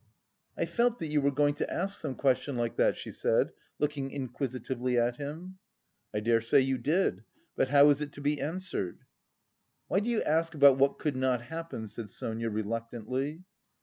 "I felt that you were going to ask some question like that," she said, looking inquisitively at him. "I dare say you did. But how is it to be answered?" "Why do you ask about what could not happen?" said Sonia reluctantly.